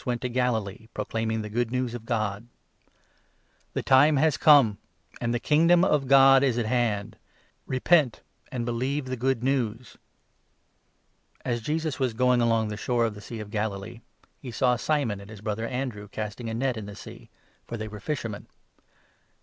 went to Galilee, proclaiming the Good News of God— " The time has come, and the Kingdom of God is at hand ; 15 repent, and believe the Good News." The first As Jesus was going along the shore of the 16 Disciples. Sea of Galilee, he saw Simon and his brother Andrew casting a net in the Sea, for they were fishermen.